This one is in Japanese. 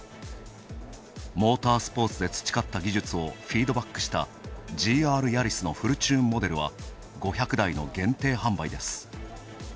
モータースポーツで培った技術をフィードバックしたＧＲヤリスのフルチューンモデルは５００台の限定販売です。